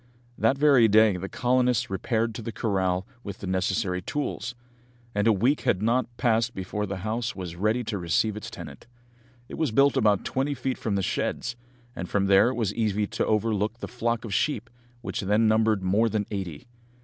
That very day the colonists repaired to the corral with the necessary tools, and a week had not passed before the house was ready to receive its tenant. It was built about twenty feet from the sheds, and from there it was easy to overlook the flock of sheep, which then numbered more than eighty.